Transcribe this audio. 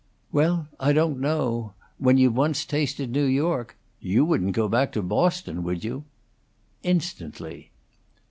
"Well, I don't know. When you've once tasted New York You wouldn't go back to Boston, would you?" "Instantly."